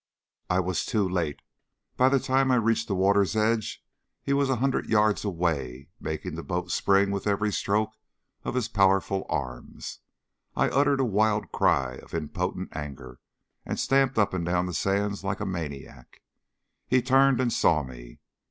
I was too late. By the time I reached the water's edge he was a hundred yards away, making the boat spring with every stroke of his powerful arms. I uttered a wild cry of impotent anger, and stamped up and down the sands like a maniac. He turned and saw me.